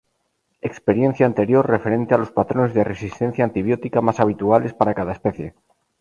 Experiencia anterior referente a los patrones de resistencia antibiótica mas habituales para cada especie.